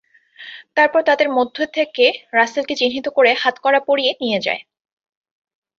তারপর তাঁদের মধ্য থেকে রাসেলকে চিহ্নিত করে হাতকড়া পরিয়ে নিয়ে যায়।